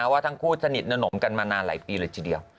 ว่าทั้งคู่สนิทหนมกันมานานหลายปีเลยทีเดียว